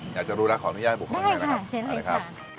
อยากจะรู้แล้วขออนุญาตให้บุกเข้ามาด้วยนะครับได้ค่ะเช่นเลยค่ะ